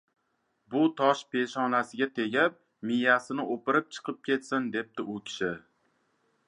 bu tosh peshonasiga tegib, miyasini o‘pirib chiqib ketsin! — debdi u kishi.